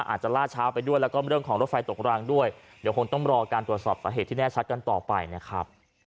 อาจจะล่าช้าไปด้วยแล้วก็เรื่องของรถไฟตกรางด้วยเดี๋ยวคงต้องรอการตรวจสอบสาเหตุที่แน่ชัดกันต่อไปนะครับ